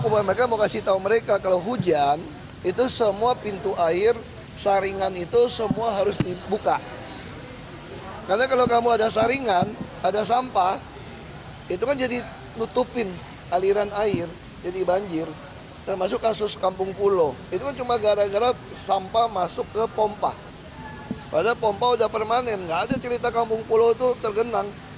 padahal pompa sudah permanen gak ada cerita kampung pulo itu tergenang